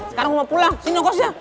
sekarang mau pulang sini dong kosnya